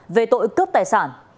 về tội cướp tài sản